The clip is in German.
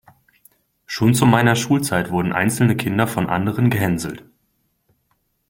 Schon zu meiner Schulzeit wurden einzelne Kinder von anderen gehänselt.